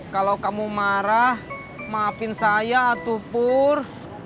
kalau kamu marah maafin saya tuh pur